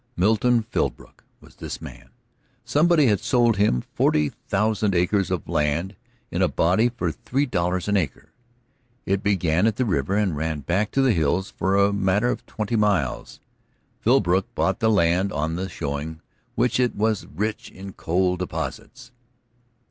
Milton Philbrook was this man. Somebody had sold him forty thousand acres of land in a body for three dollars an acre. It began at the river and ran back to the hills for a matter of twenty miles. Philbrook bought the land on the showing that it was rich in coal deposits.